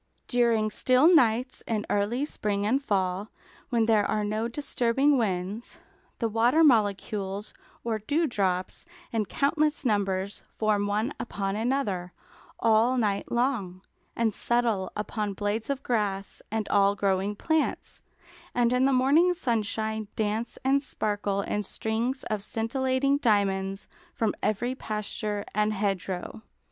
During still nights in early spring and fall, when there are no disturbing winds, the water molecules or dewdrops in countless numbers form one upon another, all night long, and settle upon blades of grass and all growing plants, and in the morning sunshine dance and sparkle in strings of scintillating diamonds from every pasture and hedge row.